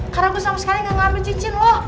karena gue sama sekali nggak ambil cincin lo